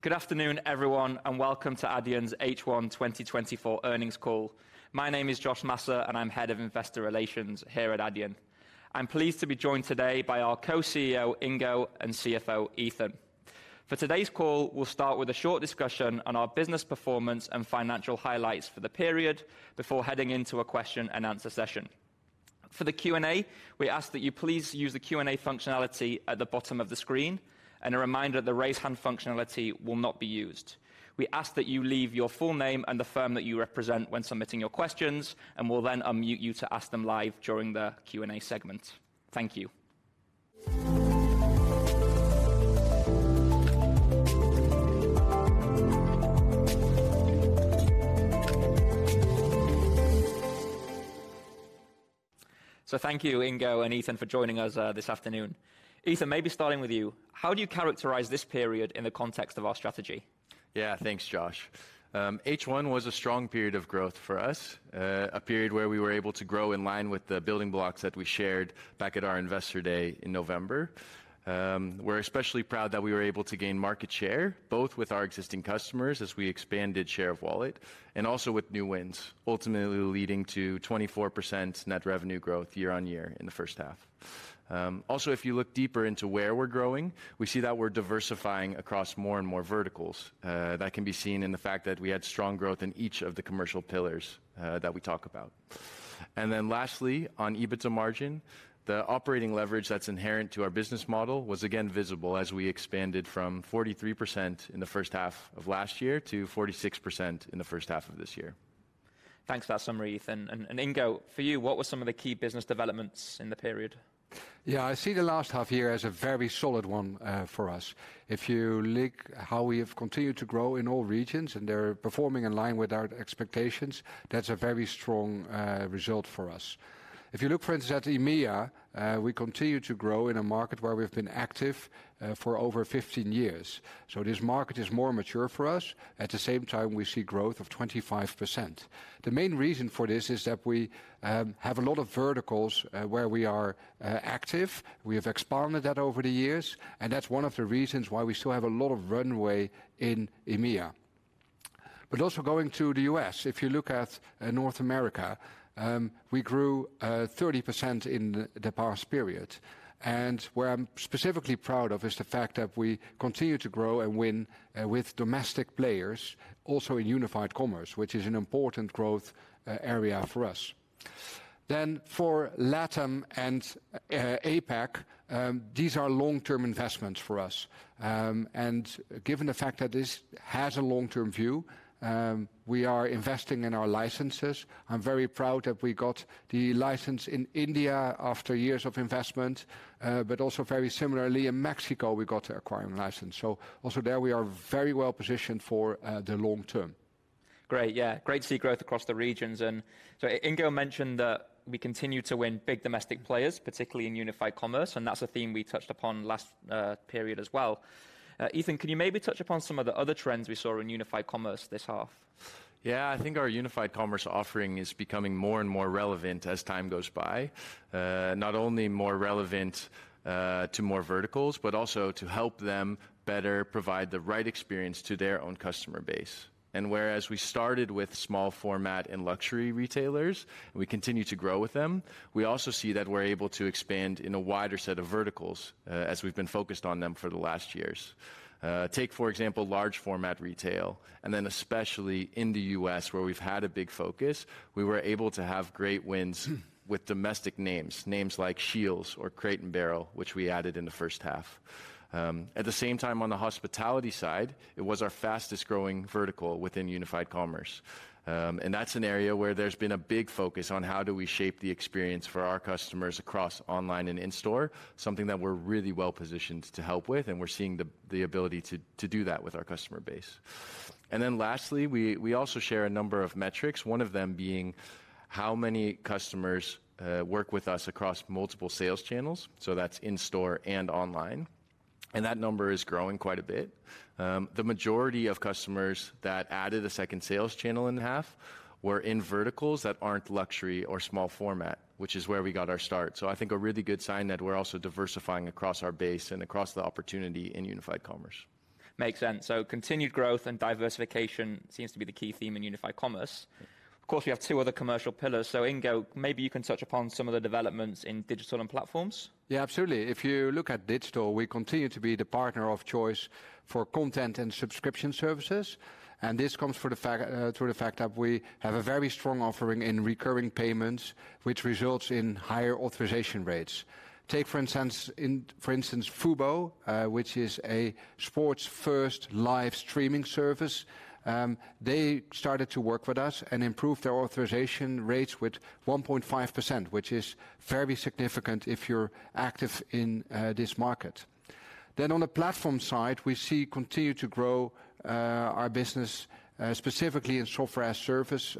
Good afternoon, everyone, and welcome to Adyen's H1 2024 Earnings Call. My name is Josh Massa, and I'm Head of Investor Relations here at Adyen. I'm pleased to be joined today by our Co-CEO, Ingo, and CFO, Ethan. For today's call, we'll start with a short discussion on our business performance and financial highlights for the period before heading into a question-and-answer session. For the Q&A, we ask that you please use the Q&A functionality at the bottom of the screen, and a reminder, the Raise Hand functionality will not be used. We ask that you leave your full name and the firm that you represent when submitting your questions, and we'll then unmute you to ask them live during the Q&A segment. Thank you. Thank you, Ingo and Ethan, for joining us this afternoon. Ethan, maybe starting with you, how do you characterize this period in the context of our strategy? Yeah, thanks, Josh. H1 was a strong period of growth for us, a period where we were able to grow in line with the building blocks that we shared back at our Investor Day in November. We're especially proud that we were able to gain market share, both with our existing customers as we expanded share of wallet, and also with new wins, ultimately leading to 24% net revenue growth year-on-year in the first half. Also, if you look deeper into where we're growing, we see that we're diversifying across more and more verticals. That can be seen in the fact that we had strong growth in each of the commercial pillars, that we talk about. Lastly, on EBITDA margin, the operating leverage that's inherent to our business model was again visible as we expanded from 43% in the first half of last year to 46% in the first half of this year. Thanks for that summary, Ethan. Ingo, for you, what were some of the key business developments in the period? Yeah, I see the last half year as a very solid one, for us. If you look how we have continued to grow in all regions, and they're performing in line with our expectations, that's a very strong, result for us. If you look, for instance, at EMEA, we continue to grow in a market where we've been active, for over 15 years. So this market is more mature for us, at the same time, we see growth of 25%. The main reason for this is that we, have a lot of verticals, where we are, active. We have expanded that over the years, and that's one of the reasons why we still have a lot of runway in EMEA. But also going to the U.S., if you look at North America, we grew 30% in the past period, and what I'm specifically proud of is the fact that we continue to grow and win with domestic players, also in Unified Commerce, which is an important growth area for us. Then, for LATAM and APAC, these are long-term investments for us. And given the fact that this has a long-term view, we are investing in our licenses. I'm very proud that we got the license in India after years of investment, but also very similarly, in Mexico, we got an acquiring license. So also there, we are very well positioned for the long term. Great, yeah. Great to see growth across the regions. So Ingo mentioned that we continue to win big domestic players, particularly in Unified Commerce, and that's a theme we touched upon last period as well. Ethan, can you maybe touch upon some of the other trends we saw in Unified Commerce this half? Yeah. I think our Unified Commerce offering is becoming more and more relevant as time goes by. Not only more relevant to more verticals, but also to help them better provide the right experience to their own customer base. And whereas we started with small format and luxury retailers, we continue to grow with them, we also see that we're able to expand in a wider set of verticals, as we've been focused on them for the last years. Take, for example, large format retail, and then especially in the U.S., where we've had a big focus, we were able to have great wins with domestic names, names like Scheels or Crate & Barrel, which we added in the first half. At the same time, on the hospitality side, it was our fastest-growing vertical within Unified Commerce. And that's an area where there's been a big focus on how do we shape the experience for our customers across online and in-store, something that we're really well positioned to help with, and we're seeing the ability to do that with our customer base. And then lastly, we also share a number of metrics, one of them being how many customers work with us across multiple sales channels, so that's in-store and online, and that number is growing quite a bit. The majority of customers that added a second sales channel in half were in verticals that aren't luxury or small format, which is where we got our start. So I think a really good sign that we're also diversifying across our base and across the opportunity in Unified Commerce. Makes sense. Continued growth and diversification seems to be the key theme in Unified Commerce. Of course, we have two other commercial pillars. Ingo, maybe you can touch upon some of the developments in digital and platforms. Yeah, absolutely. If you look at digital, we continue to be the partner of choice for content and subscription services, and this comes from the fact, through the fact that we have a very strong offering in recurring payments, which results in higher authorization rates. Take, for instance, Fubo, which is a sports-first live streaming service. They started to work with us and improved their authorization rates with 1.5%, which is very significant if you're active in this market. Then on the platform side, we continue to grow our business, specifically in software as a service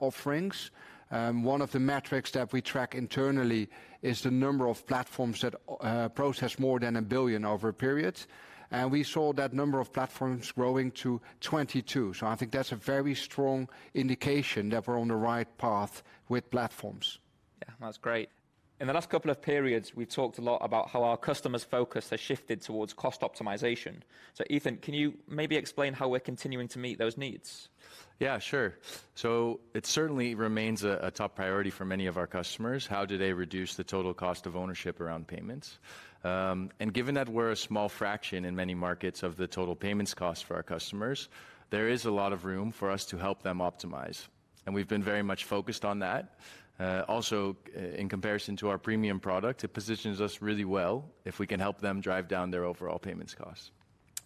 offerings. One of the metrics that we track internally is the number of platforms that process more than 1 billion over a period, and we saw that number of platforms growing to 22. I think that's a very strong indication that we're on the right path with platforms. Yeah, that's great. In the last couple of periods, we've talked a lot about how our customers' focus has shifted towards cost optimization. So Ethan, can you maybe explain how we're continuing to meet those needs? Yeah, sure. So it certainly remains a top priority for many of our customers: how do they reduce the total cost of ownership around payments? And given that we're a small fraction in many markets of the total payments cost for our customers, there is a lot of room for us to help them optimize, and we've been very much focused on that. Also, in comparison to our premium product, it positions us really well if we can help them drive down their overall payments costs.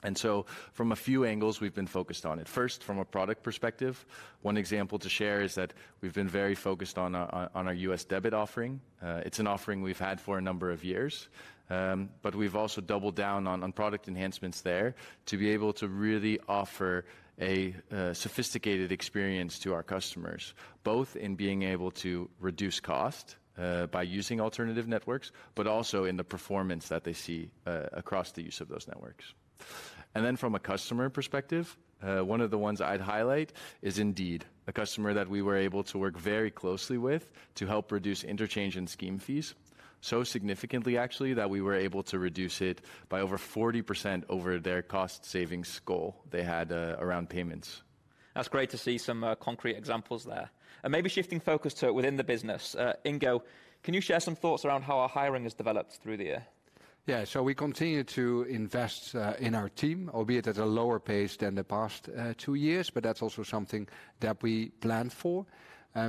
And so from a few angles, we've been focused on it. First, from a product perspective, one example to share is that we've been very focused on our U.S. debit offering. It's an offering we've had for a number of years. But we've also doubled down on product enhancements there to be able to really offer a sophisticated experience to our customers, both in being able to reduce cost by using alternative networks, but also in the performance that they see across the use of those networks. And then from a customer perspective, one of the ones I'd highlight is Indeed, a customer that we were able to work very closely with to help reduce interchange and scheme fees so significantly actually, that we were able to reduce it by over 40% over their cost savings goal they had around payments. That's great to see some concrete examples there. And maybe shifting focus to within the business. Ingo, can you share some thoughts around how our hiring has developed through the year? Yeah. So we continue to invest in our team, albeit at a lower pace than the past two years, but that's also something that we planned for.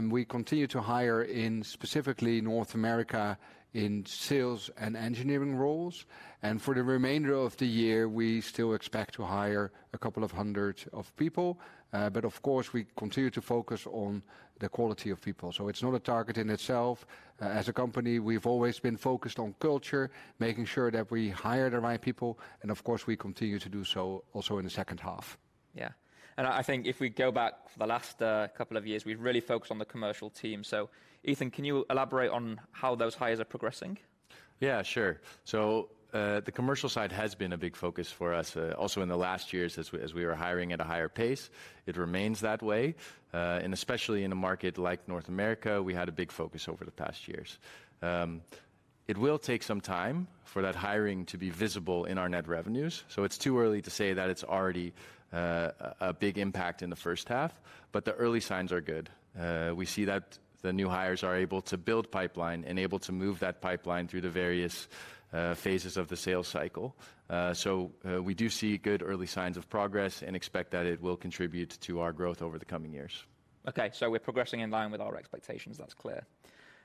We continue to hire in specifically North America, in sales and engineering roles, and for the remainder of the year, we still expect to hire a couple of hundred of people. But of course, we continue to focus on the quality of people, so it's not a target in itself. As a company, we've always been focused on culture, making sure that we hire the right people, and of course, we continue to do so also in the second half. Yeah. I think if we go back for the last couple of years, we've really focused on the commercial team. So Ethan, can you elaborate on how those hires are progressing? Yeah, sure. So, the commercial side has been a big focus for us, also in the last years, as we were hiring at a higher pace. It remains that way. And especially in a market like North America, we had a big focus over the past years. It will take some time for that hiring to be visible in our net revenues, so it's too early to say that it's already a big impact in the first half, but the early signs are good. We see that the new hires are able to build pipeline and able to move that pipeline through the various phases of the sales cycle. So, we do see good early signs of progress and expect that it will contribute to our growth over the coming years. Okay, so we're progressing in line with our expectations. That's clear.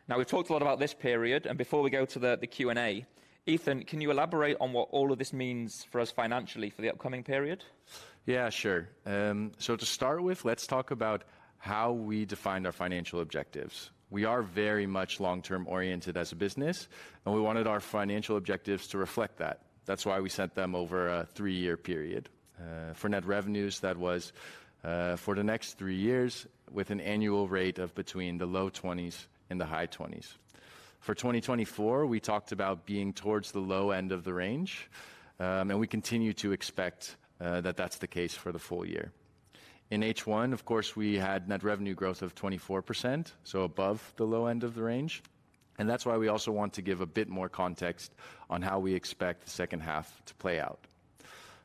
Now, we've talked a lot about this period, and before we go to the Q&A, Ethan, can you elaborate on what all of this means for us financially for the upcoming period? Yeah, sure. So to start with, let's talk about how we defined our financial objectives. We are very much long-term oriented as a business, and we wanted our financial objectives to reflect that. That's why we set them over a three-year period. For net revenues, that was for the next three years, with an annual rate of between the low twenties and the high twenties. For 2024, we talked about being towards the low end of the range, and we continue to expect that that's the case for the full year. In H1, of course, we had net revenue growth of 24%, so above the low end of the range, and that's why we also want to give a bit more context on how we expect the second half to play out.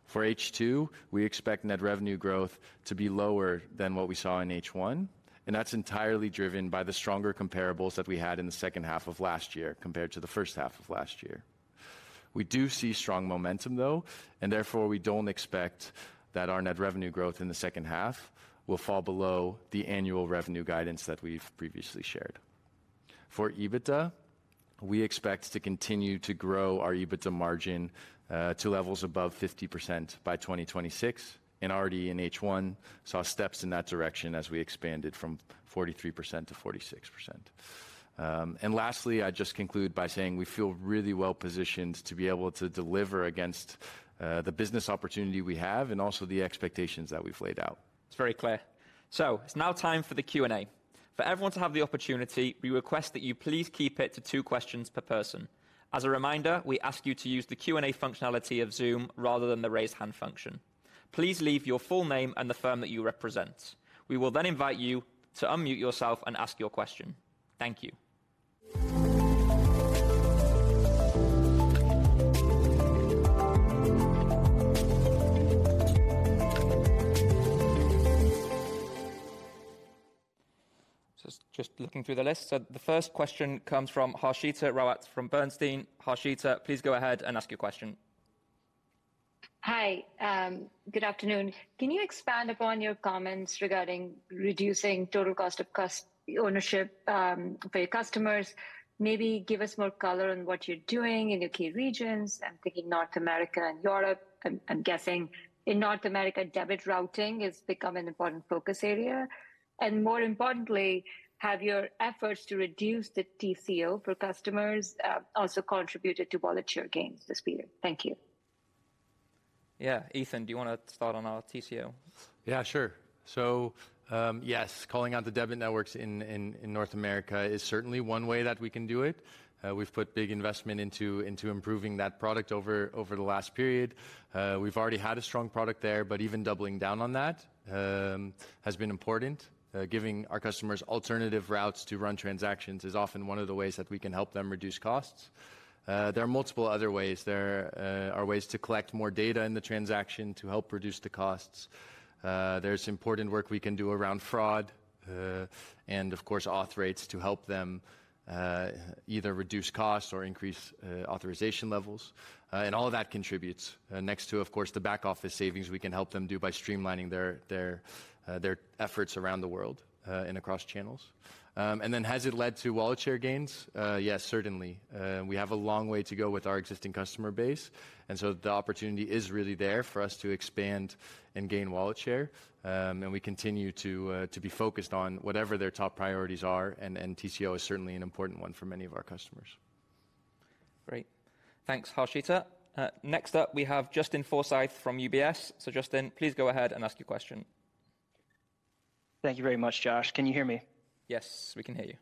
For H2, we expect net revenue growth to be lower than what we saw in H1, and that's entirely driven by the stronger comparables that we had in the second half of last year compared to the first half of last year. We do see strong momentum, though, and therefore we don't expect that our net revenue growth in the second half will fall below the annual revenue guidance that we've previously shared. For EBITDA, we expect to continue to grow our EBITDA margin to levels above 50% by 2026, and already in H1, saw steps in that direction as we expanded from 43%-46%. And lastly, I'd just conclude by saying we feel really well positioned to be able to deliver against the business opportunity we have and also the expectations that we've laid out. It's very clear. So it's now time for the Q&A. For everyone to have the opportunity, we request that you please keep it to two questions per person. As a reminder, we ask you to use the Q&A functionality of Zoom rather than the Raise Hand function. Please leave your full name and the firm that you represent. We will then invite you to unmute yourself and ask your question. Thank you. Just looking through the list, so the first question comes from Harshita Rawat, from Bernstein. Harshita, please go ahead and ask your question. Hi, good afternoon. Can you expand upon your comments regarding reducing total cost of ownership for your customers? Maybe give us more color on what you're doing in your key regions. I'm thinking North America and Europe. I'm guessing in North America, debit routing has become an important focus area, and more importantly, have your efforts to reduce the TCO for customers also contributed to volume share gains this period? Thank you. Yeah, Ethan, do you want to start on our TCO? Yeah, sure. So, yes, calling out the debit networks in North America is certainly one way that we can do it. We've put big investment into improving that product over the last period. We've already had a strong product there, but even doubling down on that has been important. Giving our customers alternative routes to run transactions is often one of the ways that we can help them reduce costs. There are multiple other ways. There are ways to collect more data in the transaction to help reduce the costs. There's important work we can do around fraud, and of course, auth rates to help them either reduce costs or increase authorization levels. And all of that contributes, next to, of course, the back office savings we can help them do by streamlining their efforts around the world, and across channels. And then has it led to wallet share gains? Yes, certainly. We have a long way to go with our existing customer base, and so the opportunity is really there for us to expand and gain wallet share. And we continue to be focused on whatever their top priorities are, and TCO is certainly an important one for many of our customers. Great. Thanks, Harshita. Next up, we have Justin Forsythe from UBS. So Justin, please go ahead and ask your question. Thank you very much, Josh. Can you hear me? Yes, we can hear you.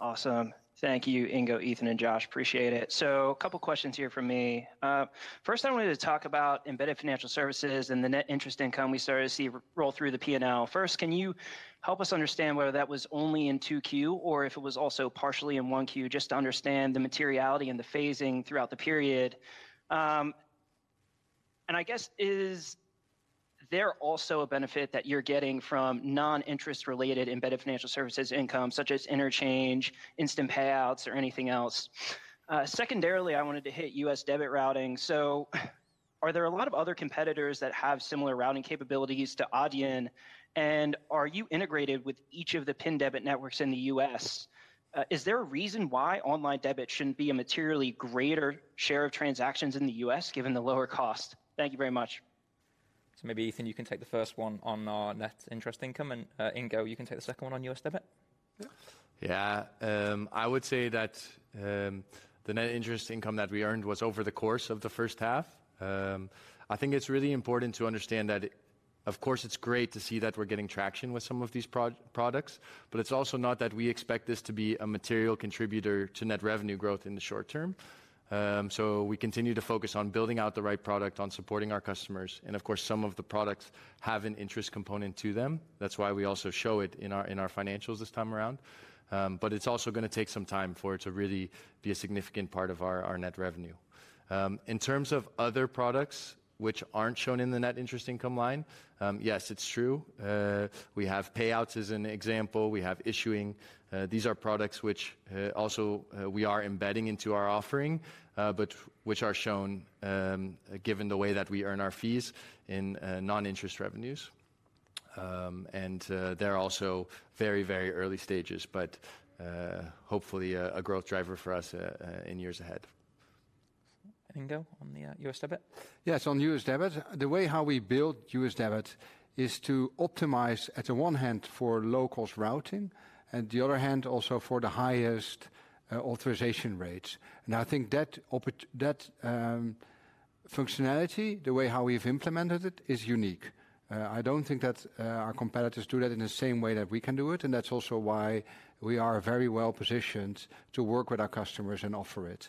Awesome. Thank you, Ingo, Ethan, and Josh. Appreciate it. So a couple questions here from me. First, I wanted to talk about embedded financial services and the net interest income we started to see roll through the P&L. First, can you help us understand whether that was only in 2Q or if it was also partially in 1Q, just to understand the materiality and the phasing throughout the period? And I guess, is there also a benefit that you're getting from non-interest related embedded financial services income, such as interchange, instant payouts, or anything else? Secondarily, I wanted to hit U.S. debit routing. So are there a lot of other competitors that have similar routing capabilities to Adyen? And are you integrated with each of the PIN debit networks in the U.S.? Is there a reason why online debit shouldn't be a materially greater share of transactions in the U.S., given the lower cost? Thank you very much. So maybe, Ethan, you can take the first one on our net interest income, and, Ingo, you can take the second one on U.S. debit. Yeah. I would say that the net interest income that we earned was over the course of the first half. I think it's really important to understand that, of course, it's great to see that we're getting traction with some of these products, but it's also not that we expect this to be a material contributor to net revenue growth in the short term. So we continue to focus on building out the right product, on supporting our customers, and of course, some of the products have an interest component to them. That's why we also show it in our financials this time around. But it's also gonna take some time for it to really be a significant part of our net revenue. In terms of other products which aren't shown in the net interest income line, yes, it's true. We have payouts as an example, we have issuing. These are products which also we are embedding into our offering, but which are shown, given the way that we earn our fees in non-interest revenues. And they're also very, very early stages, but hopefully, a growth driver for us in years ahead. Ingo, on the US debit? Yes, on U.S. debit, the way how we build U.S. debit is to optimize, at the one hand, for low-cost routing, and the other hand, also for the highest authorization rates. And I think that functionality, the way how we've implemented it, is unique. I don't think that our competitors do that in the same way that we can do it, and that's also why we are very well positioned to work with our customers and offer it.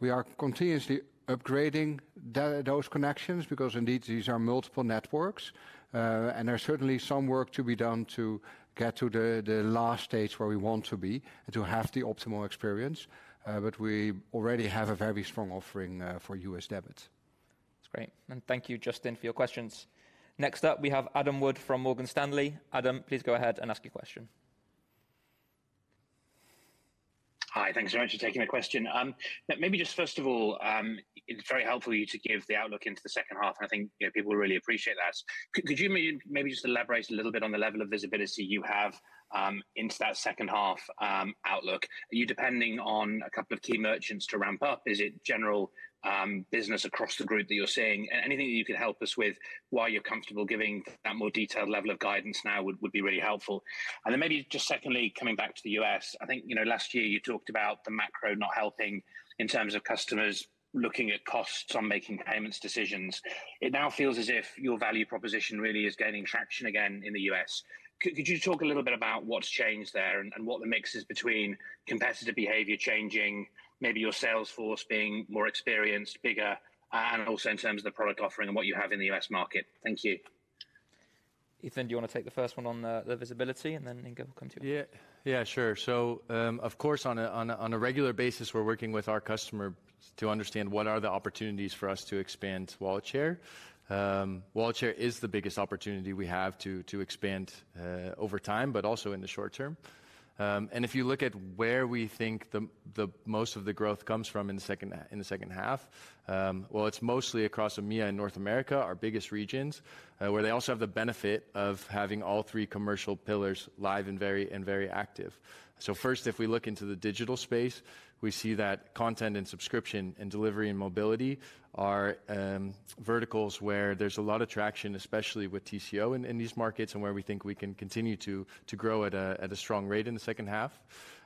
We are continuously upgrading those connections because indeed, these are multiple networks. And there's certainly some work to be done to get to the last stage where we want to be and to have the optimal experience. But we already have a very strong offering for U.S. debit. That's great. Thank you, Justin, for your questions. Next up, we have Adam Wood from Morgan Stanley. Adam, please go ahead and ask your question. Hi, thank you so much for taking the question. Maybe just first of all, it's very helpful for you to give the outlook into the second half, and I think, you know, people will really appreciate that. Could you maybe just elaborate a little bit on the level of visibility you have into that second half outlook? Are you depending on a couple of key merchants to ramp up? Is it general business across the group that you're seeing? Anything you could help us with, why you're comfortable giving that more detailed level of guidance now, would be really helpful. And then maybe just secondly, coming back to the U.S., I think, you know, last year you talked about the macro not helping in terms of customers looking at costs on making payments decisions. It now feels as if your value proposition really is gaining traction again in the U.S. Could you talk a little bit about what's changed there and what the mix is between competitive behavior changing, maybe your sales force being more experienced, bigger, and also in terms of the product offering and what you have in the U.S. market? Thank you. Ethan, do you want to take the first one on the visibility, and then, Ingo, we'll come to you? Yeah. Yeah, sure. So, of course, on a regular basis, we're working with our customer to understand what are the opportunities for us to expand wallet share. Wallet share is the biggest opportunity we have to expand over time, but also in the short term. And if you look at where we think the most of the growth comes from in the second half, well, it's mostly across EMEA and North America, our biggest regions, where they also have the benefit of having all three commercial pillars live and very active. So first, if we look into the digital space, we see that content and subscription and delivery and mobility are verticals where there's a lot of traction, especially with TCO in these markets, and where we think we can continue to grow at a strong rate in the second half.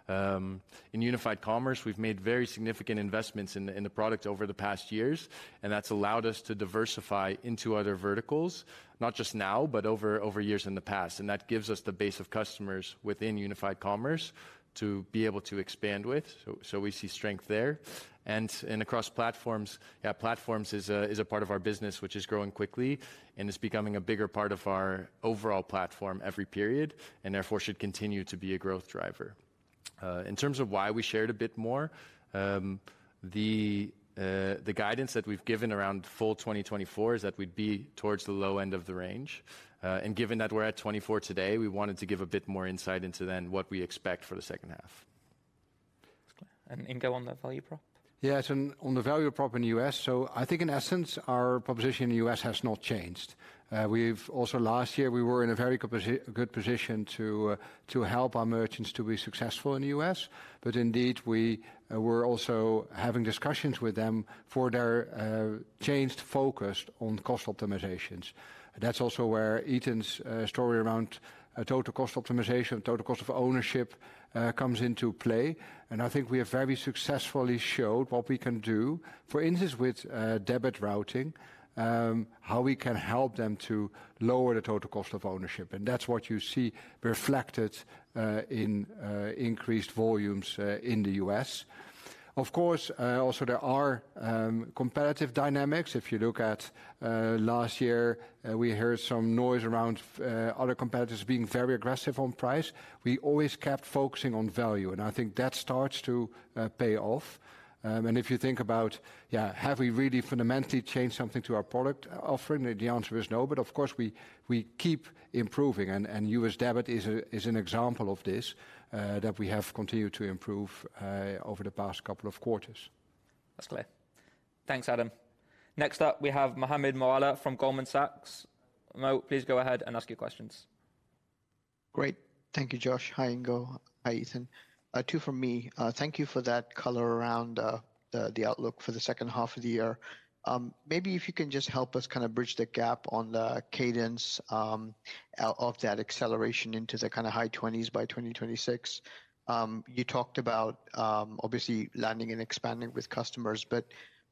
In Unified Commerce, we've made very significant investments in the product over the past years, and that's allowed us to diversify into other verticals, not just now, but over years in the past. And that gives us the base of customers within Unified Commerce to be able to expand with. So we see strength there. Across platforms, platforms is a part of our business which is growing quickly and is becoming a bigger part of our overall platform every period, and therefore, should continue to be a growth driver. In terms of why we shared a bit more, the guidance that we've given around full 2024 is that we'd be towards the low end of the range. And given that we're at 2024 today, we wanted to give a bit more insight into then what we expect for the second half. That's clear. And Ingo, on the value prop? Yeah, so on the value prop in the U.S., so I think in essence, our proposition in the U.S. has not changed. We've also, last year we were in a very good position to help our merchants to be successful in the U.S. But indeed, we're also having discussions with them for their changed focus on cost optimizations. That's also where Ethan's story around total cost optimization, total cost of ownership comes into play, and I think we have very successfully showed what we can do. For instance, with debit routing, how we can help them to lower the total cost of ownership, and that's what you see reflected in increased volumes in the U.S. Of course, also there are competitive dynamics. If you look at last year, we heard some noise around other competitors being very aggressive on price. We always kept focusing on value, and I think that starts to pay off. And if you think about, yeah, have we really fundamentally changed something to our product offering? The answer is no. But of course, we keep improving, and U.S. debit is an example of this, that we have continued to improve over the past couple of quarters. That's clear. Thanks, Adam. Next up, we have Mohammed Moawalla from Goldman Sachs. Mo, please go ahead and ask your questions. Great. Thank you, Josh. Hi, Ingo. Hi, Ethan. Two from me. Thank you for that color around the outlook for the second half of the year. Maybe if you can just help us kind of bridge the gap on the cadence of that acceleration into the kind of high 20s by 2026. You talked about obviously landing and expanding with customers, but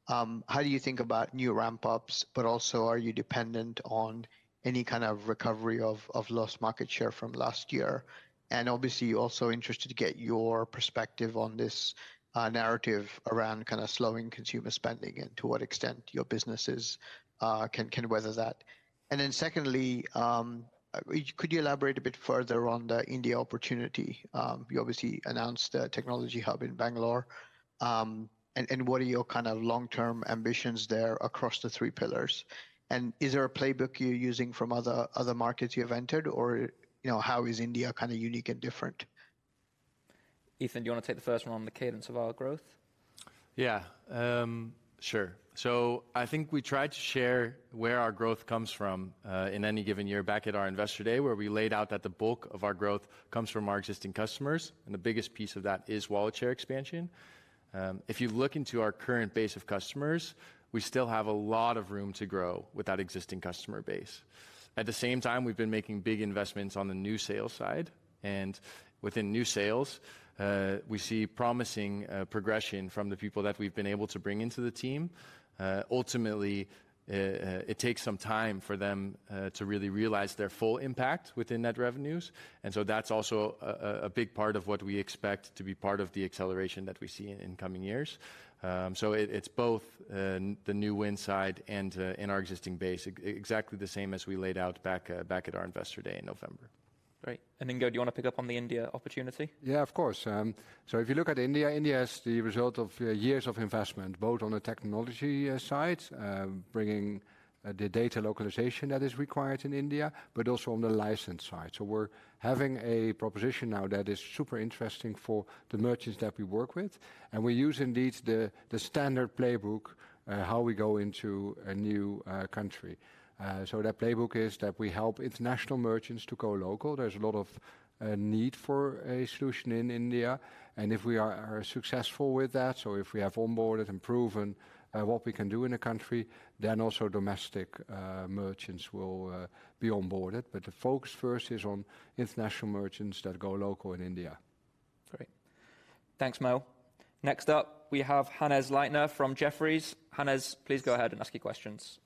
how do you think about new ramp-ups? But also, are you dependent on any kind of recovery of lost market share from last year? And obviously, also interested to get your perspective on this narrative around kind of slowing consumer spending, and to what extent your businesses can weather that. And then secondly, could you elaborate a bit further on the India opportunity? You obviously announced a technology hub in Bangalore, and what are your kind of long-term ambitions there across the three pillars? And is there a playbook you're using from other markets you've entered, or, you know, how is India kind of unique and different? Ethan, do you want to take the first one on the cadence of our growth? Yeah, sure. So I think we tried to share where our growth comes from in any given year back at our Investor Day, where we laid out that the bulk of our growth comes from our existing customers, and the biggest piece of that is wallet share expansion. If you look into our current base of customers, we still have a lot of room to grow with that existing customer base. At the same time, we've been making big investments on the new sales side, and within new sales, we see promising progression from the people that we've been able to bring into the team. Ultimately, it takes some time for them to really realize their full impact within net revenues. And so that's also a big part of what we expect to be part of the acceleration that we see in coming years. So it, it's both the new win side and in our existing base, exactly the same as we laid out back at our Investor Day in November. Great. And Ingo, do you want to pick up on the India opportunity? Yeah, of course. So if you look at India, India is the result of years of investment, both on the technology side, bringing the data localization that is required in India, but also on the license side. So we're having a proposition now that is super interesting for the merchants that we work with, and we use indeed the standard playbook how we go into a new country. So that playbook is that we help international merchants to go local. There's a lot of need for a solution in India, and if we are successful with that, so if we have onboarded and proven what we can do in a country, then also domestic merchants will be onboarded. But the focus first is on international merchants that go local in India. Great. Thanks, Mo. Next up, we have Hannes Leitner from Jefferies. Hannes, please go ahead and ask your questions.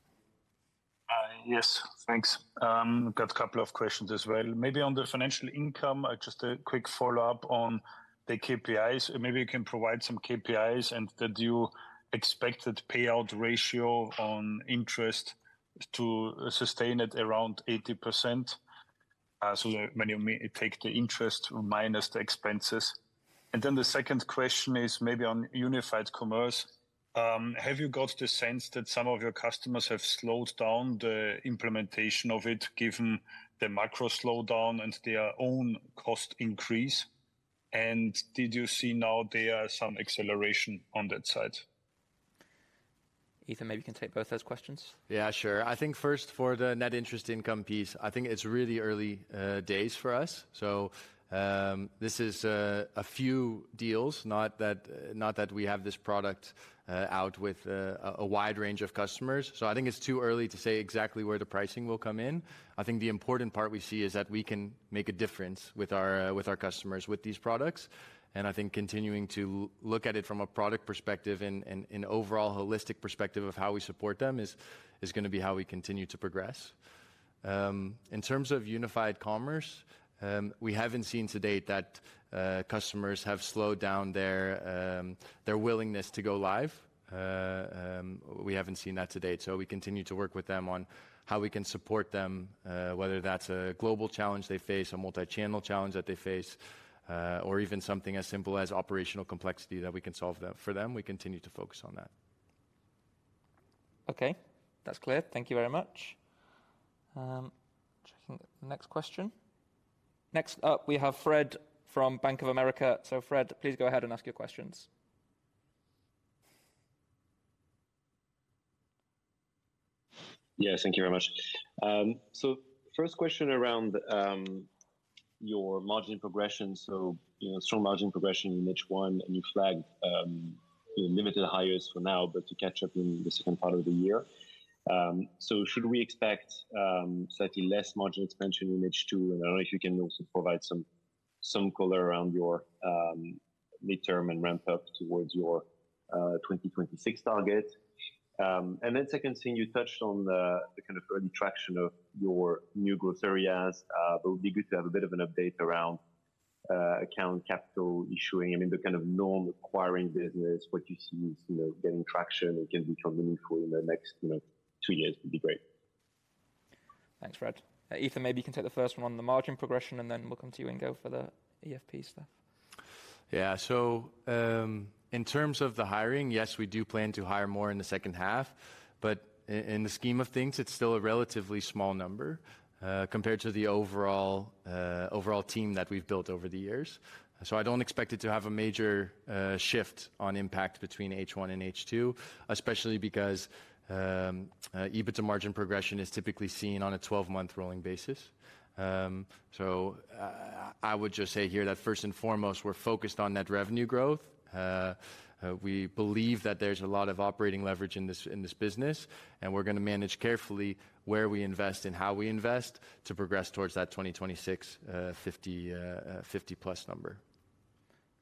Yes, thanks. Got a couple of questions as well. Maybe on the financial income, just a quick follow-up on the KPIs. Maybe you can provide some KPIs and the due expected payout ratio on interest to sustain it around 80%, so when you take the interest minus the expenses. And then the second question is maybe on Unified Commerce. Have you got the sense that some of your customers have slowed down the implementation of it, given the macro slowdown and their own cost increase? And did you see now there are some acceleration on that side? Ethan, maybe you can take both those questions. Yeah, sure. I think first, for the net interest income piece, I think it's really early days for us. So, this is a few deals, not that, not that we have this product out with a wide range of customers. So I think it's too early to say exactly where the pricing will come in. I think the important part we see is that we can make a difference with our customers, with these products. And I think continuing to look at it from a product perspective and an overall holistic perspective of how we support them, is gonna be how we continue to progress. In terms of Unified Commerce, we haven't seen to date that customers have slowed down their willingness to go live. We haven't seen that to date, so we continue to work with them on how we can support them, whether that's a global challenge they face, a multi-channel challenge that they face, or even something as simple as operational complexity that we can solve them for them. We continue to focus on that. Okay, that's clear. Thank you very much. Checking the next question. Next up, we have Fred from Bank of America. So Fred, please go ahead and ask your questions. Yeah, thank you very much. So first question around your margin progression. So, you know, strong margin progression in H1, and you flagged limited hires for now, but to catch up in the second part of the year. So should we expect slightly less margin expansion in H2? And I don't know if you can also provide some color around your midterm and ramp up towards your 2026 target. And then second thing, you touched on the kind of early traction of your new growth areas, but it would be good to have a bit of an update around Accounts, Capital, Issuing. I mean, the kind of non-acquiring business, what you see is, you know, getting traction and can become meaningful in the next, you know, 2 years would be great. Thanks, Fred. Ethan, maybe you can take the first one on the margin progression, and then we'll come to you Ingo for the EFP stuff. Yeah. So, in terms of the hiring, yes, we do plan to hire more in the second half, but in the scheme of things, it's still a relatively small number, compared to the overall team that we've built over the years. So I don't expect it to have a major shift on impact between H1 and H2, especially because EBITDA margin progression is typically seen on a 12-month rolling basis. So, I would just say here that first and foremost, we're focused on net revenue growth. We believe that there's a lot of operating leverage in this business, and we're gonna manage carefully where we invest and how we invest to progress towards that 2026 50+ number.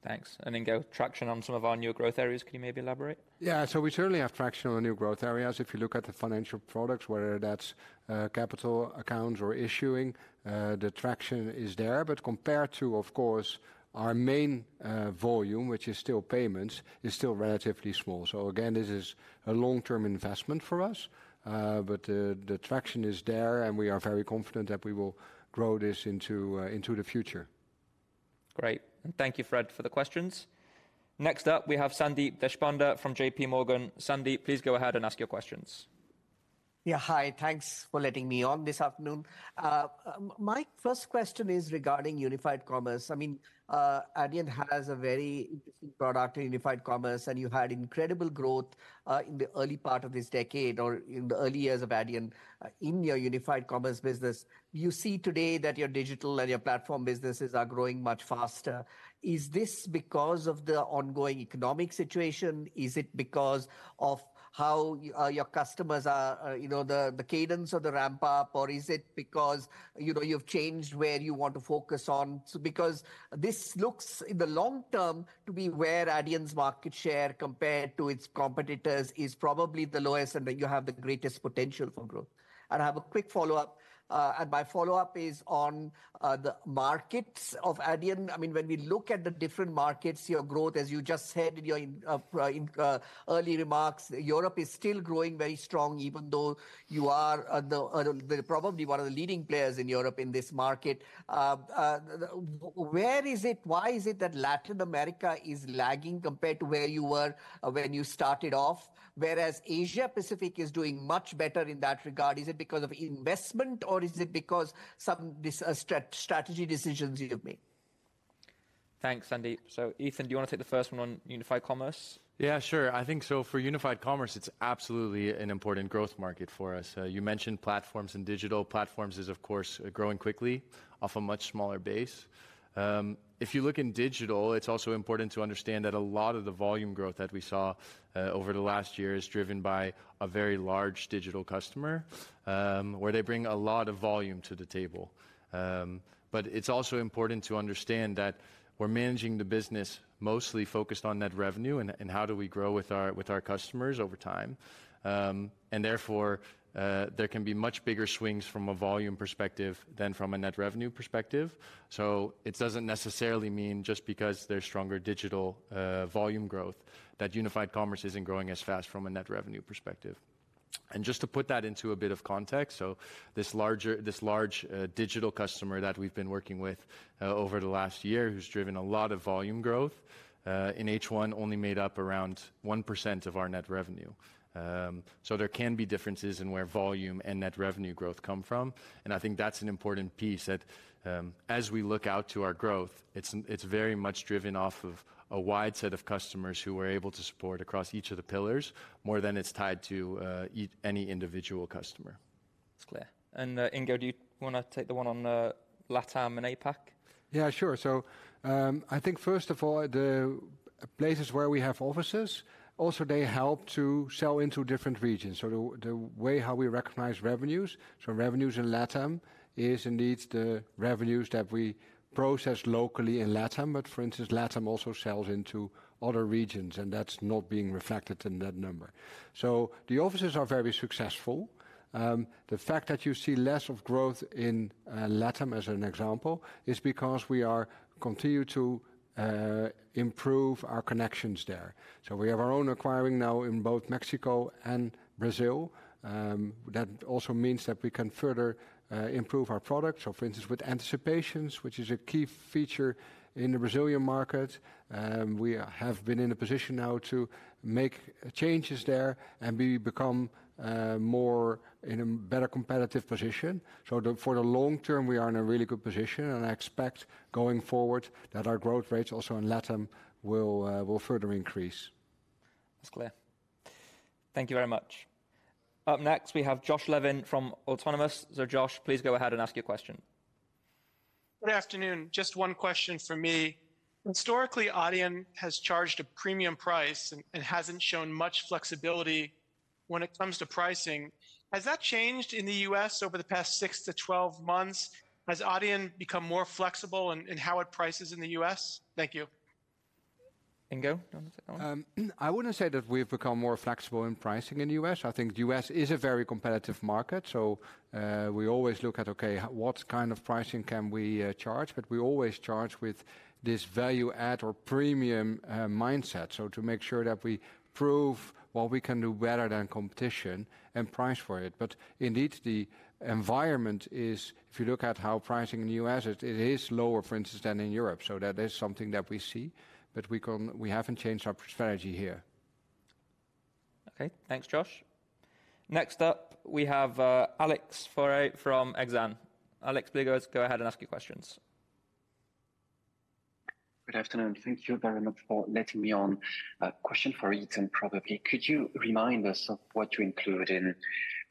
Thanks. And then good traction on some of our new growth areas. Can you maybe elaborate? Yeah. So we certainly have traction on the new growth areas. If you look at the financial products, whether that's, Capital, Accounts, or Issuing, the traction is there. But compared to, of course, our main, volume, which is still payments, is still relatively small. So again, this is a long-term investment for us, but the, the traction is there, and we are very confident that we will grow this into, into the future. Great, and thank you, Fred, for the questions. Next up, we have Sandeep Deshpande from JPMorgan. Sandeep, please go ahead and ask your questions. Yeah, hi. Thanks for letting me on this afternoon. My first question is regarding Unified Commerce. I mean, Adyen has a very interesting product in Unified Commerce, and you had incredible growth in the early part of this decade, or in the early years of Adyen. In your Unified Commerce business, you see today that your digital and your platform businesses are growing much faster. Is this because of the ongoing economic situation? Is it because of how your customers are, you know, the cadence of the ramp up, or is it because, you know, you've changed where you want to focus on? So because this looks in the long term to be where Adyen's market share, compared to its competitors, is probably the lowest and where you have the greatest potential for growth. I have a quick follow-up, and my follow-up is on the markets of Adyen. I mean, when we look at the different markets, your growth, as you just said in your early remarks, Europe is still growing very strong, even though you are probably one of the leading players in Europe in this market. Why is it that Latin America is lagging compared to where you were when you started off, whereas Asia Pacific is doing much better in that regard? Is it because of investment, or is it because some strategy decisions you have made? Thanks, Sandeep. So, Ethan, do you want to take the first one on Unified Commerce? Yeah, sure. I think so for Unified Commerce, it's absolutely an important growth market for us. You mentioned platforms and digital. Platforms is, of course, growing quickly off a much smaller base. If you look in digital, it's also important to understand that a lot of the volume growth that we saw over the last year is driven by a very large digital customer, where they bring a lot of volume to the table. But it's also important to understand that we're managing the business mostly focused on Net Revenue and, and how do we grow with our, with our customers over time. And therefore, there can be much bigger swings from a volume perspective than from a Net Revenue perspective. So it doesn't necessarily mean just because there's stronger digital volume growth, that Unified Commerce isn't growing as fast from a net revenue perspective. And just to put that into a bit of context, so this large digital customer that we've been working with over the last year, who's driven a lot of volume growth in H1 only made up around 1% of our net revenue. So there can be differences in where volume and net revenue growth come from, and I think that's an important piece that, as we look out to our growth, it's very much driven off of a wide set of customers who we're able to support across each of the pillars, more than it's tied to any individual customer. That's clear. And, Ingo, do you wanna take the one on, LATAM and APAC? Yeah, sure. So, I think first of all, the places where we have offices, also, they help to sell into different regions. So the way how we recognize revenues, so revenues in LATAM, is indeed the revenues that we process locally in LATAM. But for instance, LATAM also sells into other regions, and that's not being reflected in that number. So the offices are very successful. The fact that you see less of growth in LATAM, as an example, is because we are continue to improve our connections there. So we have our own acquiring now in both Mexico and Brazil. That also means that we can further improve our products. So for instance, with anticipations, which is a key feature in the Brazilian market, we have been in a position now to make changes there, and we become more in a better competitive position. So the, for the long term, we are in a really good position, and I expect going forward that our growth rates also in LATAM will further increase. That's clear. Thank you very much. Up next, we have Josh Levin from Autonomous. So Josh, please go ahead and ask your question. Good afternoon. Just one question from me. Historically, Adyen has charged a premium price and hasn't shown much flexibility when it comes to pricing. Has that changed in the U.S. over the past 6-12 months? Has Adyen become more flexible in how it prices in the U.S? Thank you. Ingo, do you want to take that one? I wouldn't say that we've become more flexible in pricing in the U.S. I think the U.S. is a very competitive market, so we always look at what kind of pricing can we charge? But we always charge with this value add or premium mindset, so to make sure that we prove what we can do better than competition and price for it. But indeed, the environment is, if you look at how pricing in the U.S. is, it is lower, for instance, than in Europe. So that is something that we see, but we can—we haven't changed our strategy here. Okay. Thanks, Josh. Next up, we have Alex Faure from Exane. Alex, please go ahead and ask your questions. Good afternoon. Thank you very much for letting me on. A question for Ethan, probably. Could you remind us of what you included in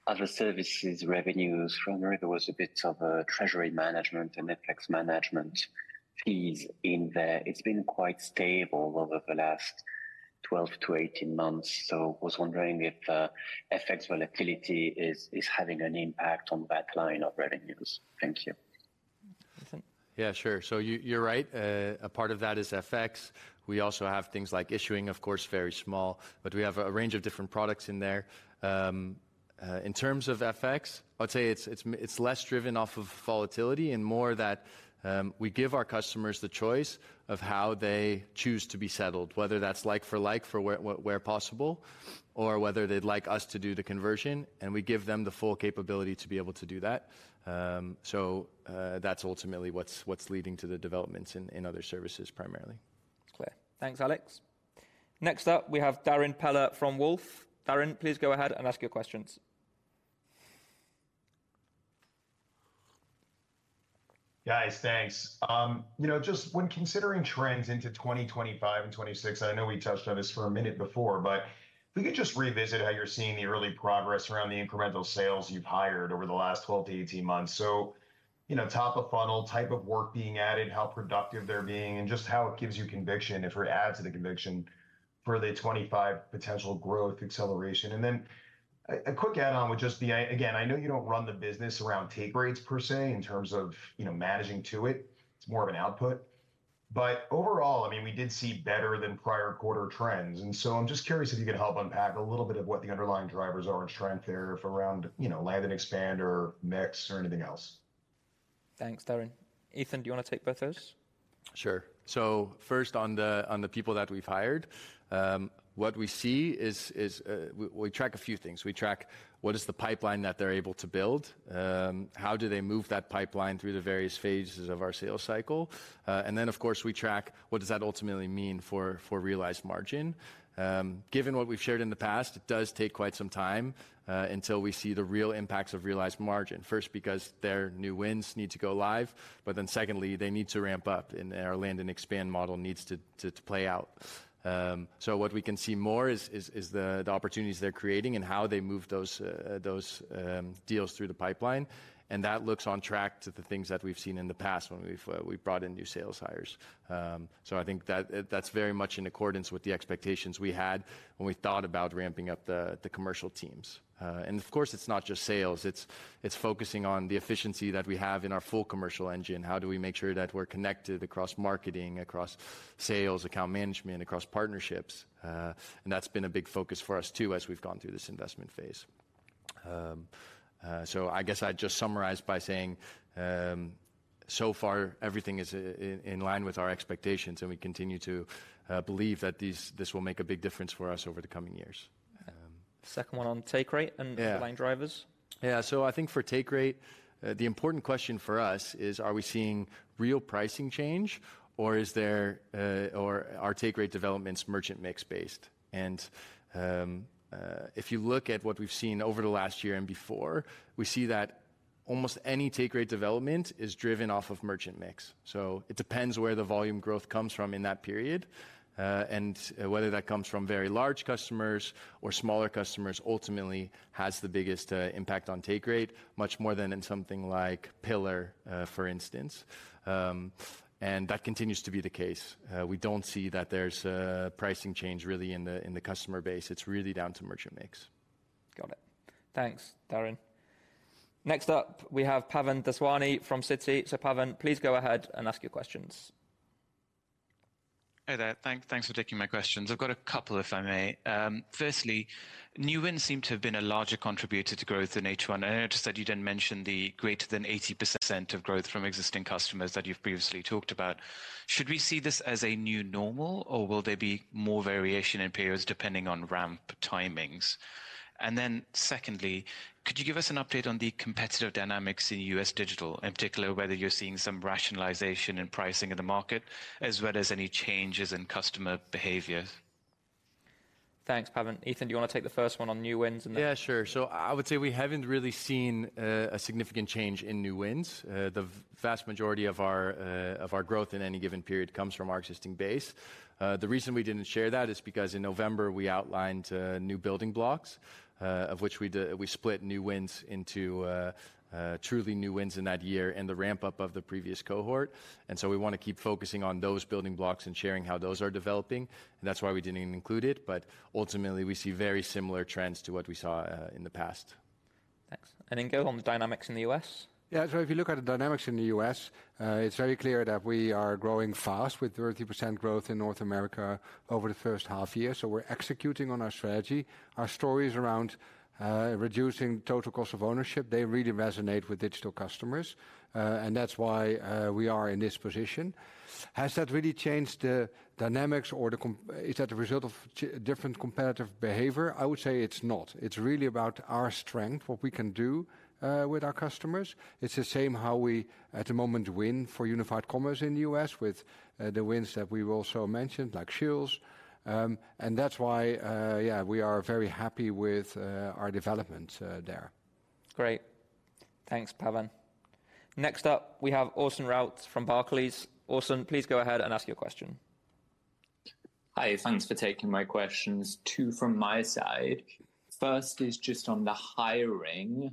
other services revenues? From there, there was a bit of treasury management and FX management fees in there. It's been quite stable over the last 12-18 months, so I was wondering if FX volatility is having an impact on that line of revenues. Thank you. Ethan? Yeah, sure. So you're right. A part of that is FX. We also have things like issuing, of course, very small, but we have a range of different products in there. In terms of FX, I'd say it's less driven off of volatility and more that we give our customers the choice of how they choose to be settled, whether that's like for like for where, where possible, or whether they'd like us to do the conversion, and we give them the full capability to be able to do that. So that's ultimately what's leading to the developments in other services, primarily. Clear. Thanks, Alex. Next up, we have Darrin Peller from Wolfe. Darren, please go ahead and ask your questions. Guys, thanks. You know, just when considering trends into 2025 and 2026, I know we touched on this for a minute before, but if we could just revisit how you're seeing the early progress around the incremental sales you've hired over the last 12-18 months. So, you know, top of funnel type of work being added, how productive they're being, and just how it gives you conviction, if it adds to the conviction for the 2025 potential growth acceleration. And then a quick add-on would just be, again, I know you don't run the business around take rates per se, in terms of, you know, managing to it, it's more of an output. Overall, I mean, we did see better than prior quarter trends, and so I'm just curious if you could help unpack a little bit of what the underlying drivers are in trend there for around, you know, land and expand or mix or anything else? Thanks, Darrin. Ethan, do you want to take both those? Sure. So first on the people that we've hired, what we see is. We track a few things. We track what is the pipeline that they're able to build, how do they move that pipeline through the various phases of our sales cycle? And then, of course, we track what does that ultimately mean for realized margin. Given what we've shared in the past, it does take quite some time until we see the real impacts of realized margin. First, because their new wins need to go live, but then secondly, they need to ramp up, and our land and expand model needs to play out. So what we can see more is the opportunities they're creating and how they move those deals through the pipeline. That looks on track to the things that we've seen in the past when we've brought in new sales hires. So I think that that's very much in accordance with the expectations we had when we thought about ramping up the commercial teams. And of course, it's not just sales, it's focusing on the efficiency that we have in our full commercial engine. How do we make sure that we're connected across marketing, across sales, account management, across partnerships? And that's been a big focus for us, too, as we've gone through this investment phase. So I guess I'd just summarize by saying, so far, everything is in line with our expectations, and we continue to believe that this will make a big difference for us over the coming years. Second one on take rate and- Yeah line drivers. Yeah. So I think for take rate, the important question for us is: Are we seeing real pricing change, or is there... or are take rate developments merchant mix based? And, if you look at what we've seen over the last year and before, we see that almost any take rate development is driven off of merchant mix. So it depends where the volume growth comes from in that period, and whether that comes from very large customers or smaller customers ultimately has the biggest, impact on take rate, much more than in something like pillar, for instance. And that continues to be the case. We don't see that there's a pricing change really in the, in the customer base. It's really down to merchant mix. Got it. Thanks, Darrin. Next up, we have Pavan Daswani from Citi. So Pavan, please go ahead and ask your questions. Hi there. Thanks for taking my questions. I've got a couple, if I may. Firstly, new wins seem to have been a larger contributor to growth in H1, and I noticed that you didn't mention the greater than 80% of growth from existing customers that you've previously talked about. Should we see this as a new normal, or will there be more variation in periods depending on ramp timings? And then secondly, could you give us an update on the competitive dynamics in U.S. digital, in particular, whether you're seeing some rationalization in pricing in the market, as well as any changes in customer behavior? Thanks, Pavan. Ethan, do you want to take the first one on new wins and the- Yeah, sure. So I would say we haven't really seen a significant change in new wins. The vast majority of our growth in any given period comes from our existing base. The reason we didn't share that is because in November we outlined new building blocks, of which we split new wins into truly new wins in that year and the ramp-up of the previous cohort. And so we wanna keep focusing on those building blocks and sharing how those are developing, and that's why we didn't include it, but ultimately, we see very similar trends to what we saw in the past. Thanks. And then go on the dynamics in the U.S. Yeah, so if you look at the dynamics in the U.S., it's very clear that we are growing fast, with 30% growth in North America over the first half year, so we're executing on our strategy. Our stories around reducing total cost of ownership, they really resonate with digital customers, and that's why we are in this position. Has that really changed the dynamics or the competition? Is that a result of different competitive behavior? I would say it's not. It's really about our strength, what we can do with our customers. It's the same how we, at the moment, win for Unified Commerce in the U.S. with the wins that we've also mentioned, like Scheels. And that's why, yeah, we are very happy with our development there. Great. Thanks, Pavan. Next up, we have Orson Rout from Barclays. Orson, please go ahead and ask your question. Hi. Thanks for taking my questions. Two from my side. First is just on the hiring.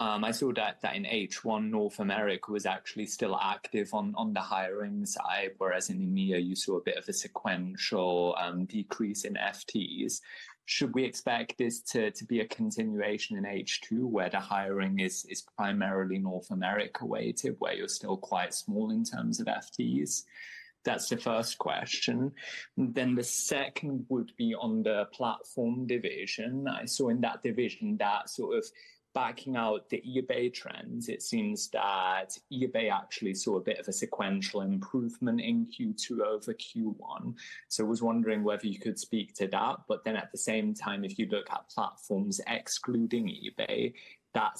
I saw that in H1, North America was actually still active on the hiring side, whereas in EMEA you saw a bit of a sequential decrease in FTEs. Should we expect this to be a continuation in H2, where the hiring is primarily North America, where you're still quite small in terms of FTEs? That's the first question. Then the second would be on the platform division. I saw in that division that sort of backing out the eBay trends, it seems that eBay actually saw a bit of a sequential improvement in Q2 over Q1. So I was wondering whether you could speak to that, but then at the same time, if you look at platforms excluding eBay, that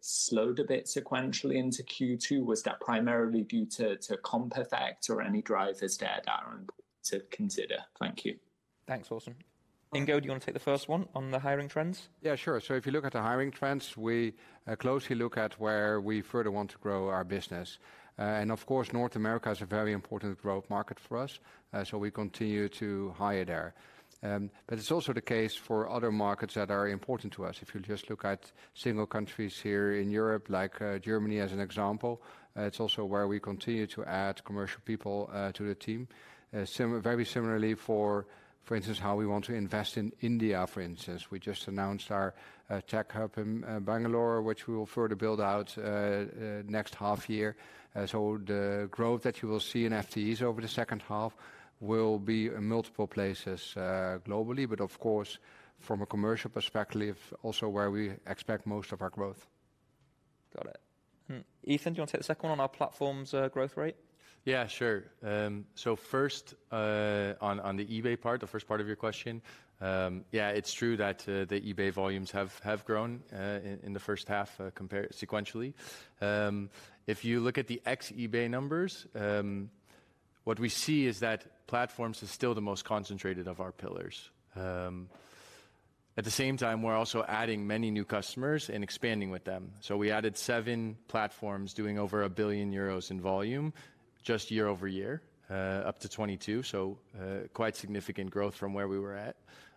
slowed a bit sequentially into Q2. Was that primarily due to comp effect or any drivers there, Darrin, to consider? Thank you. Thanks, Orson. Ingo, do you wanna take the first one on the hiring trends? Yeah, sure. So if you look at the hiring trends, we closely look at where we further want to grow our business. And of course, North America is a very important growth market for us, so we continue to hire there. But it's also the case for other markets that are important to us. If you just look at single countries here in Europe, like Germany as an example, it's also where we continue to add commercial people to the team. Very similarly, for instance, how we want to invest in India, for instance. We just announced our tech hub in Bangalore, which we will further build out next half year. So the growth that you will see in FTEs over the second half will be in multiple places, globally, but of course, from a commercial perspective, also where we expect most of our growth. Got it. Ethan, do you want to take the second one on our platform's growth rate? Yeah, sure. So first, on the eBay part, the first part of your question, yeah, it's true that the eBay volumes have grown in the first half, compare sequentially. If you look at the ex-eBay numbers, what we see is that platforms is still the most concentrated of our pillars. At the same time, we're also adding many new customers and expanding with them. So we added seven platforms, doing over 1 billion euros in volume, just year-over-year, up to 2022, so, quite significant growth from where we were at.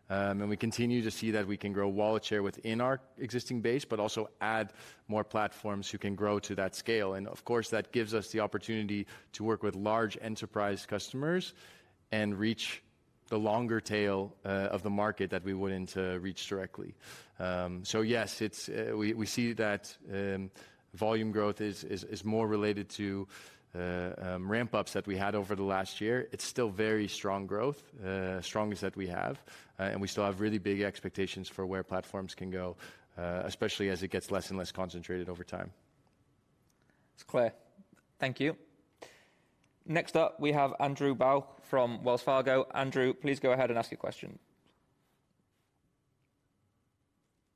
And we continue to see that we can grow wallet share within our existing base, but also add more platforms who can grow to that scale. And of course, that gives us the opportunity to work with large enterprise customers and reach the longer tail of the market that we wouldn't reach directly. So yes, it's. We see that volume growth is more related to ramp-ups that we had over the last year. It's still very strong growth, strongest that we have, and we still have really big expectations for where platforms can go, especially as it gets less and less concentrated over time. It's clear. Thank you. Next up, we have Andrew Bauch from Wells Fargo. Andrew, please go ahead and ask your question.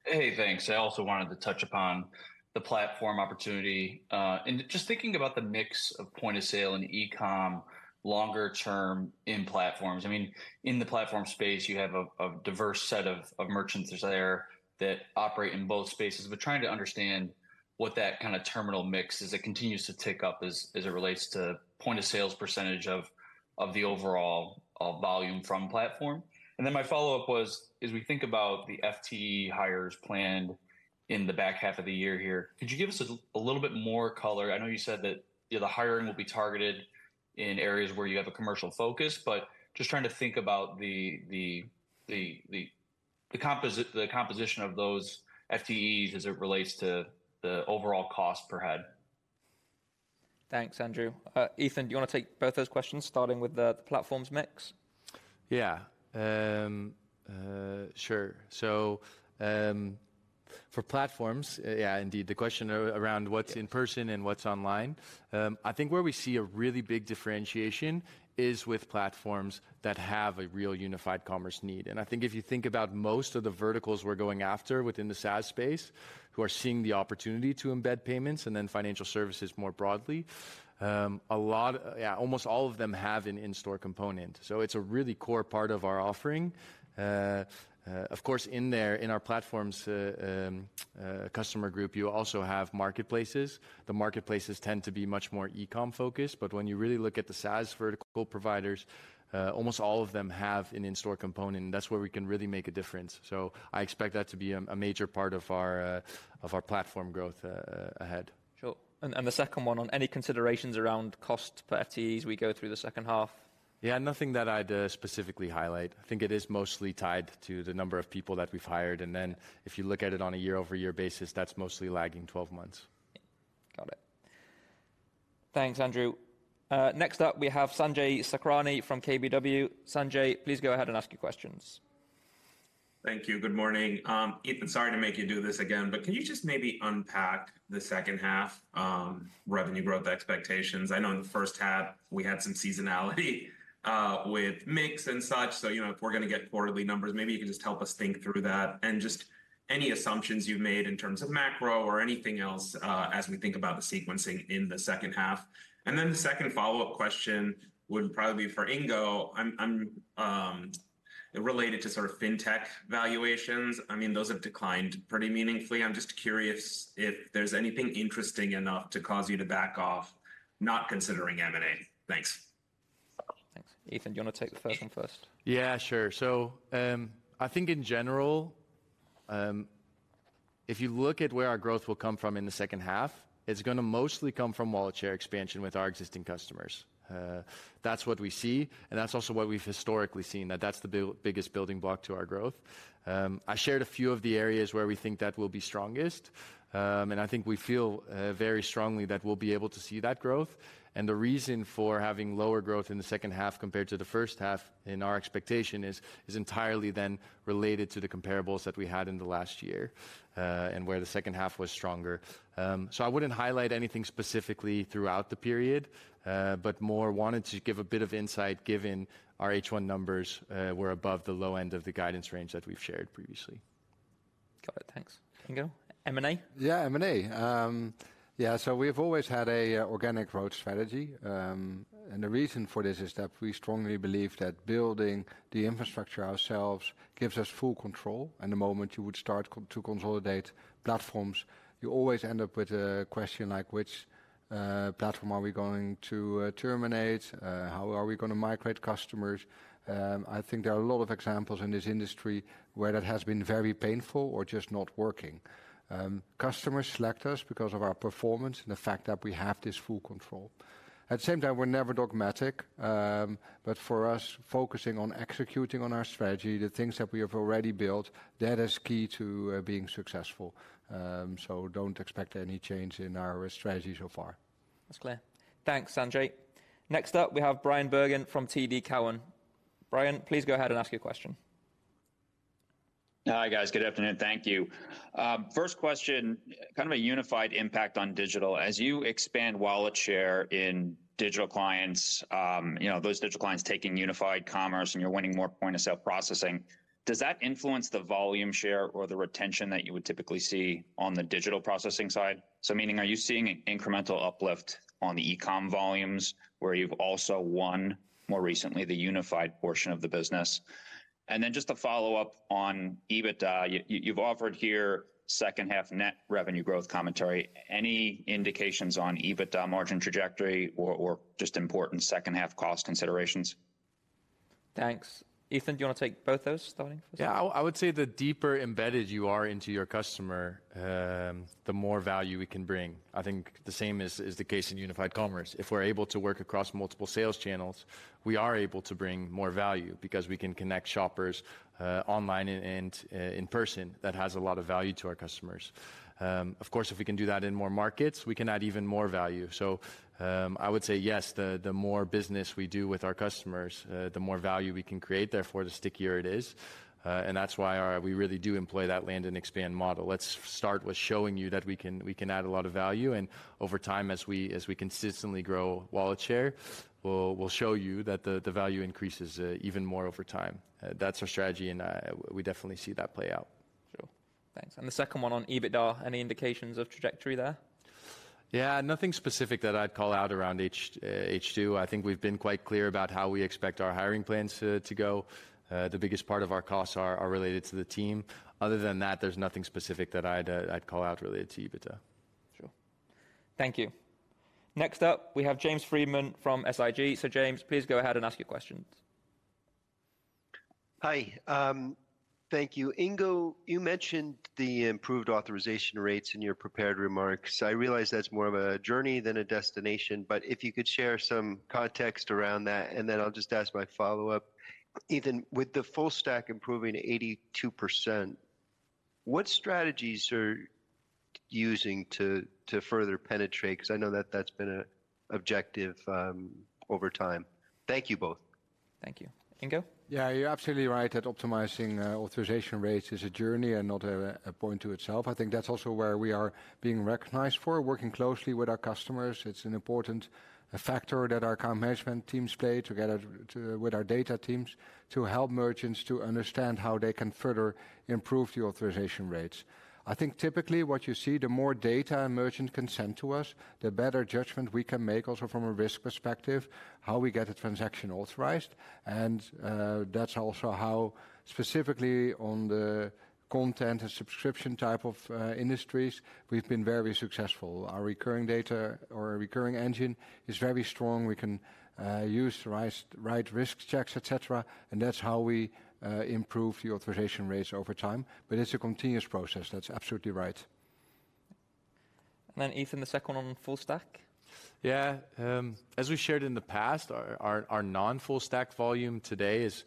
Hey, thanks. I also wanted to touch upon the platform opportunity, and just thinking about the mix of point of sale and e-com longer term in platforms. I mean, in the platform space, you have a diverse set of merchants there that operate in both spaces, but trying to understand what that kind of terminal mix, as it continues to tick up, as it relates to point of sales percentage of the overall volume from platform. And then my follow-up was, as we think about the FTE hires planned in the back half of the year here, could you give us a little bit more color? I know you said that, you know, the hiring will be targeted in areas where you have a commercial focus, but just trying to think about the composition of those FTEs as it relates to the overall cost per head. Thanks, Andrew. Ethan, do you wanna take both those questions, starting with the platforms mix? Yeah. Sure. So, for platforms, yeah, indeed, the question around what's in person and what's online. I think where we see a really big differentiation is with platforms that have a real Unified Commerce need. And I think if you think about most of the verticals we're going after within the SaaS space, who are seeing the opportunity to embed payments and then financial services more broadly, a lot... Yeah, almost all of them have an in-store component, so it's a really core part of our offering. Of course, in there, in our platforms customer group, you also have marketplaces. The marketplaces tend to be much more e-com focused, but when you really look at the SaaS vertical providers, almost all of them have an in-store component, and that's where we can really make a difference. So I expect that to be a major part of our platform growth ahead. Sure. And the second one on any considerations around cost per FTEs as we go through the second half? Yeah, nothing that I'd specifically highlight. I think it is mostly tied to the number of people that we've hired, and then if you look at it on a year-over-year basis, that's mostly lagging 12 months. Got it. Thanks, Andrew. Next up, we have Sanjay Sakhrani from KBW. Sanjay, please go ahead and ask your questions. Thank you. Good morning. Ethan, sorry to make you do this again, but can you just maybe unpack the second half revenue growth expectations? I know in the first half we had some seasonality with mix and such. So, you know, if we're going to get quarterly numbers, maybe you can just help us think through that, and just any assumptions you've made in terms of macro or anything else as we think about the sequencing in the second half. And then the second follow-up question would probably be for Ingo. I'm related to sort of fintech valuations. I mean, those have declined pretty meaningfully. I'm just curious if there's anything interesting enough to cause you to back off not considering M&A. Thanks. Thanks. Ethan, do you want to take the first one first? Yeah, sure. So, I think in general, if you look at where our growth will come from in the second half, it's going to mostly come from wallet share expansion with our existing customers. That's what we see, and that's also what we've historically seen, that that's the biggest building block to our growth. I shared a few of the areas where we think that will be strongest, and I think we feel very strongly that we'll be able to see that growth. And the reason for having lower growth in the second half compared to the first half, in our expectation, is entirely then related to the comparables that we had in the last year, and where the second half was stronger. So, I wouldn't highlight anything specifically throughout the period, but more wanted to give a bit of insight, given our H1 numbers were above the low end of the guidance range that we've shared previously. Got it. Thanks. Ingo, M&A? Yeah, M&A. Yeah, so we have always had a organic growth strategy, and the reason for this is that we strongly believe that building the infrastructure ourselves gives us full control, and the moment you would start to consolidate platforms, you always end up with a question like, which platform are we going to terminate? How are we going to migrate customers? I think there are a lot of examples in this industry where that has been very painful or just not working. Customers select us because of our performance and the fact that we have this full control. At the same time, we're never dogmatic. But for us, focusing on executing on our strategy, the things that we have already built, that is key to being successful. So don't expect any change in our strategy so far. That's clear. Thanks, Sanjay. Next up, we have Bryan Bergin from TD Cowen. Bryan, please go ahead and ask your question. Hi, guys. Good afternoon. Thank you. First question, kind of a unified impact on digital. As you expand wallet share in digital clients, you know, those digital clients taking Unified Commerce, and you're winning more point-of-sale processing, does that influence the volume share or the retention that you would typically see on the digital processing side? So meaning, are you seeing an incremental uplift on the e-com volumes, where you've also won, more recently, the unified portion of the business? And then just a follow-up on EBITDA. You, you've offered here second half net revenue growth commentary. Any indications on EBITDA margin trajectory or, or just important second half cost considerations? Thanks. Ethan, do you want to take both those, starting first? Yeah, I would say the deeper embedded you are into your customer, the more value we can bring. I think the same is the case in Unified Commerce. If we're able to work across multiple sales channels, we are able to bring more value because we can connect shoppers, online and in person. That has a lot of value to our customers. Of course, if we can do that in more markets, we can add even more value. So, I would say yes, the more business we do with our customers, the more value we can create, therefore, the stickier it is. And that's why we really do employ that land and expand model. Let's start with showing you that we can add a lot of value, and over time, as we consistently grow wallet share, we'll show you that the value increases even more over time. That's our strategy, and we definitely see that play out. So... Thanks. And the second one on EBITDA, any indications of trajectory there? Yeah, nothing specific that I'd call out around H, H2. I think we've been quite clear about how we expect our hiring plans to go. The biggest part of our costs are related to the team. Other than that, there's nothing specific that I'd call out related to EBITDA. Sure. Thank you. Next up, we have James Friedman from SIG. So James, please go ahead and ask your questions. Hi, thank you. Ingo, you mentioned the improved authorization rates in your prepared remarks. I realize that's more of a journey than a destination, but if you could share some context around that, and then I'll just ask my follow-up. Ethan, with the full stack improving 82%, what strategies are you using to, to further penetrate? Because I know that that's been a objective over time. Thank you both. Thank you. Ingo? Yeah, you're absolutely right that optimizing authorization rates is a journey and not a point to itself. I think that's also where we are being recognized for, working closely with our customers. It's an important factor that our account management teams play together with our data teams, to help merchants understand how they can further improve the authorization rates. I think typically what you see, the more data a merchant can send to us, the better judgment we can make also from a risk perspective, how we get a transaction authorized. And that's also how, specifically on the content and subscription type of industries, we've been very successful. Our recurring data or recurring engine is very strong. We can use the right risk checks, et cetera, and that's how we improve the authorization rates over time. But it's a continuous process. That's absolutely right. And then Ethan, the second one on full stack? Yeah, as we shared in the past, our non-full stack volume today is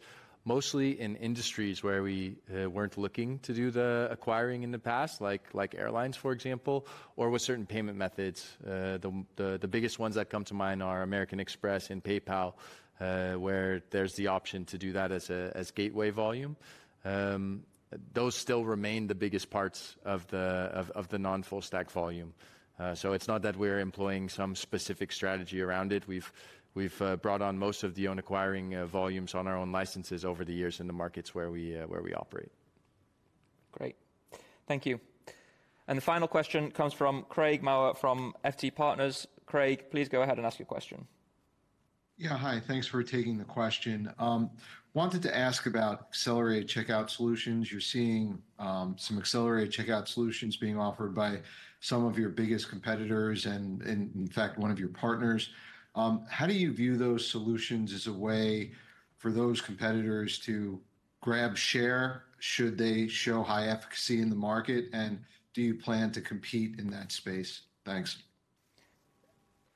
mostly in industries where we weren't looking to do the acquiring in the past, like airlines, for example, or with certain payment methods. The biggest ones that come to mind are American Express and PayPal, where there's the option to do that as gateway volume. Those still remain the biggest parts of the non-full stack volume. So it's not that we're employing some specific strategy around it. We've brought on most of the own acquiring volumes on our own licenses over the years in the markets where we operate. Great. Thank you. The final question comes from Craig Maurer from FT Partners. Craig, please go ahead and ask your question. Yeah, hi. Thanks for taking the question. Wanted to ask about accelerated checkout solutions. You're seeing some accelerated checkout solutions being offered by some of your biggest competitors and, and in fact, one of your partners. How do you view those solutions as a way for those competitors to grab share, should they show high efficacy in the market, and do you plan to compete in that space? Thanks.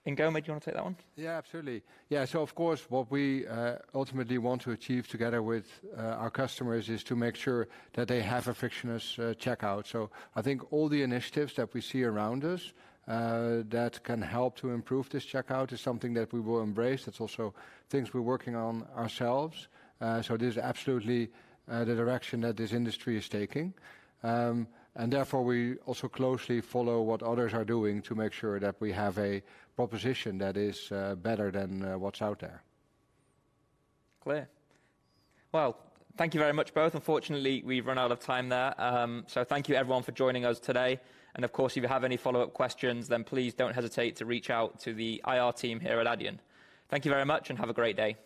Ingo, do you want to take that one? Yeah, absolutely. Yeah, so of course, what we ultimately want to achieve together with our customers is to make sure that they have a frictionless checkout. So I think all the initiatives that we see around us that can help to improve this checkout is something that we will embrace. That's also things we're working on ourselves. So this is absolutely the direction that this industry is taking. And therefore, we also closely follow what others are doing to make sure that we have a proposition that is better than what's out there. Clear. Well, thank you very much, both. Unfortunately, we've run out of time there. So, thank you everyone for joining us today, and of course, if you have any follow-up questions, then please don't hesitate to reach out to the IR team here at Adyen. Thank you very much, and have a great day.